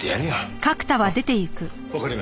あっわかりました。